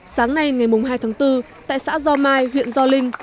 sáng nay ngày hai tháng bốn tại xã gio mai huyện gio linh